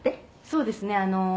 「そうですね。